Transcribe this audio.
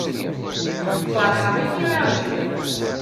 Feṛḥeɣ imi i ṛjiɣ.